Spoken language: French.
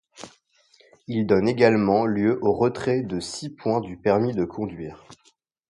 Il donne également lieu au retrait de six points du permis de conduire.